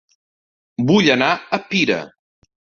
Vull anar a Pira